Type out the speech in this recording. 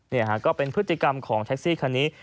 นี่ฮะก็เป็นพฤติกรรมของแท็กซี่คันนี้